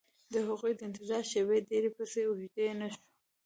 د هغوی د انتظار شېبې ډېرې پسې اوږدې نه شوې